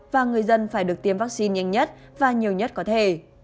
và người dân phải được tiêm vaccine nhanh nhất và nhiều nhất có thể